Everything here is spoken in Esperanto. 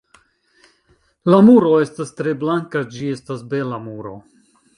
La muro estas tre blanka, ĝi estas bela muro.